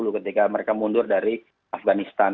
ketika mereka mundur dari afganistan